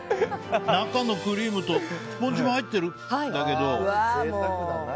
中のクリームとスポンジも入ってるんだけど。